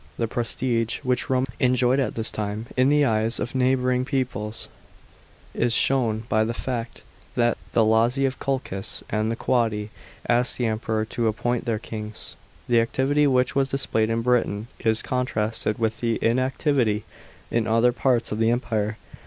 The prestige which Rome enjoyed at this time, in the eyes of neigh bouring peoples, is shown by the fact, that the Lazi of Colchis and the Quadi asked the Emperor to appoint their kings. § 4. The activity which was displayed in Britain is contrasted with the inactivity in other parts of the Empire.